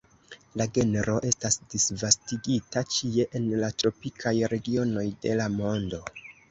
La genro estas disvastigita ĉie en la tropikaj regionoj de la mondo.